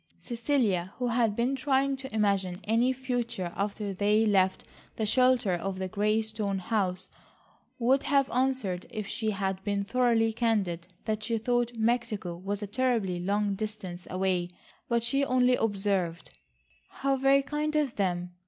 Cecilia who had been trying to imagine any future after they left the shelter of the grey stone house, would have answered if she had been thoroughly candid that she thought Mexico was a terribly long distance away, but she only observed: "How very kind of them.